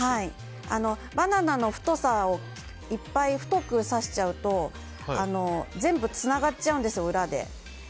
バナナの太さをいっぱい太く刺しちゃうと全部つながっちゃうんですよ裏で。